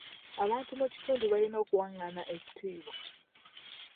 Abantu mu kitundu balina okuwangana ekitiibwa.